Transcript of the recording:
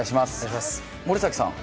森崎さん